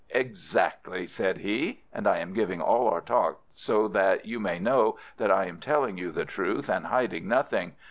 "Exactly," said he—and I am giving all our talk so that you may know that I am telling you the truth and hiding nothing.